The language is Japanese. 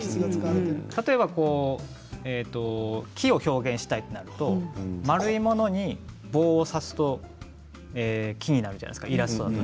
例えば木を表現したいとなったら丸いものに棒を刺すと木になるじゃないですか。